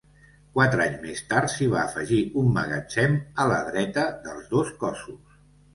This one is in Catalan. Quatre anys més tard s'hi va afegir un magatzem a la dreta dels dos cossos.